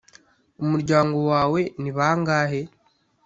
" "umuryango wawe ni bangahe?"